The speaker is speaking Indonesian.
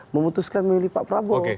memutuskan memilih pak prabowo